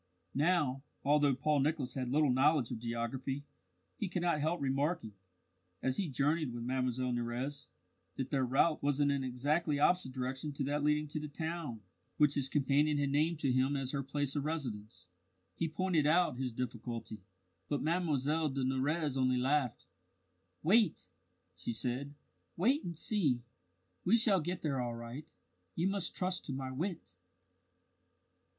Now, although Paul Nicholas had little knowledge of geography, he could not help remarking, as he journeyed with Mlle Nurrez, that their route was in an exactly opposite direction to that leading to the town which his companion had named to him as her place of residence. He pointed out his difficulty, but Mlle de Nurrez only laughed. "Wait!" she said. "Wait and see. We shall get there all right. You must trust to my wit."